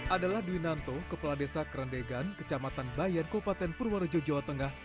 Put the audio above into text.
adalah dewi nanto kepala desa kerendekan kecamatan bayan kabupaten purworejo jawa tengah